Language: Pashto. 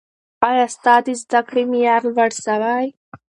ایا ستا د زده کړې معیار لوړ سوی؟